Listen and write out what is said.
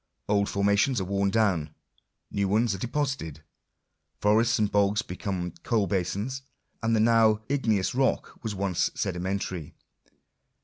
Old formations are worn down ; new ones are deposited. Forests and bogs become ooal basins; and the now igneous rock was once sedimentary.